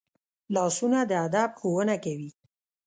لاسونه د ادب ښوونه کوي